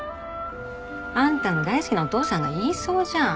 あんたの大好きなお父さんが言いそうじゃん。